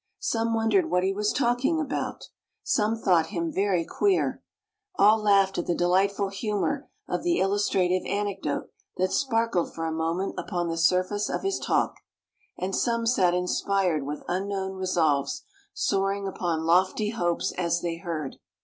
Some wondered what he was talking about. Some thought him very queer. All laughed at the delightful humor or the illustrative anecdote that sparkled for a moment upon the surface of his talk; and some sat inspired with unknown resolves, soaring upon lofty hopes as they heard.